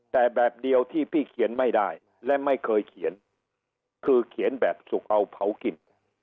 แต่แบบเดียวที่พี่เขียนไม่ได้และไม่เคยเขียนคือเขียนแบบสุขเอาเผากิน